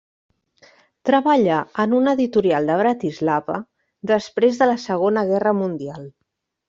Treballà en una editorial de Bratislava després de la Segona Guerra Mundial.